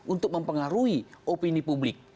untuk mempengaruhi opini publik